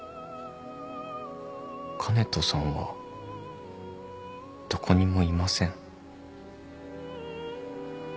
香音人さんはどこにもいません。